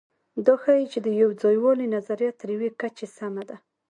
دا ښيي، چې د یوځایوالي نظریه تر یوې کچې سمه ده.